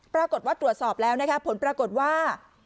ปรากฏว่าตรวจสอบแล้วนะคะผลปรากฏว่า